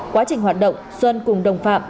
quá trình hoạt động xuân cùng đồng phạm